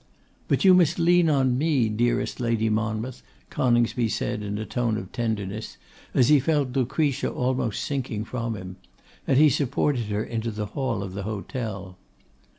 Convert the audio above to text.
'But you must lean on me, dearest Lady Monmouth,' Coningsby said in a tone of tenderness, as he felt Lucretia almost sinking from him. And he supported her into the hall of the hotel.